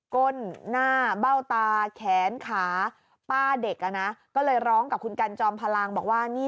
ขาป้าเด็กอ่ะน่ะก็เลยร้องกับคุณกันจอมพลังบอกว่านี่